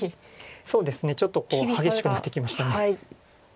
そうですねちょっと激しくなってきました。